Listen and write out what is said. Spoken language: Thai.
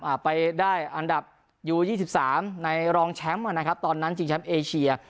ไปได้อันดับยูยี่สิบสามในรองแชมป์อ่ะนะครับตอนนั้นชิงแชมป์เอเชีย